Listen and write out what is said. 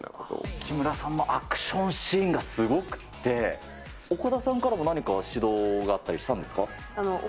木村さんのアクションシーンがすごくて、岡田さんからも何か指導があったりしたんですか？